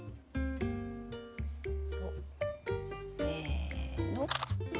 せの。